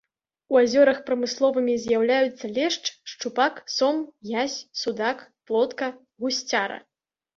У азёрах прамысловымі з'яўляюцца лешч, шчупак, сом, язь, судак, плотка, гусцяра.